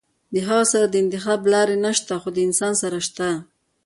د هغه سره د انتخاب لارې نشته خو د انسان سره شته -